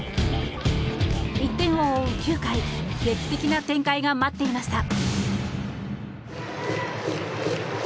１点を追う９回劇的な展開が待っていました。